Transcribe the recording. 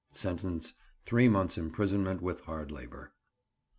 sentence, three months' imprisonment with hard labour.